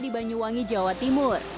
banyu angi jawa timur